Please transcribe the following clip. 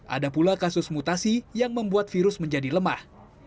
ada pula kasus mutasi yang membuat virus menjadi lemah